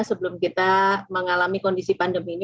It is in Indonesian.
sebelum kita mengalami kondisi pandemi ini